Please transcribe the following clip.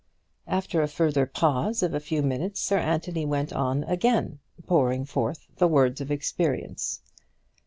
After a further pause of a few minutes, Sir Anthony went on again, pouring forth the words of experience.